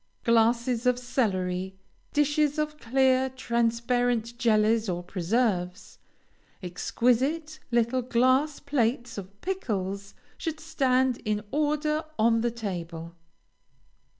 Glasses of celery, dishes of clear, transparent jellies or preserves, exquisite little glass plates of pickles should stand in order on the table.